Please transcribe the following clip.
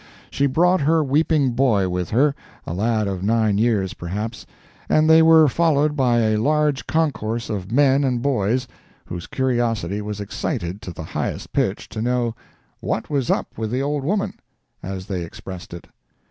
She brought her weeping boy with her—a lad of nine years, perhaps—and they were followed by a large concourse of men and boys, whose curiosity was excited to the highest pitch to know "what was up with the old woman," as they expressed it.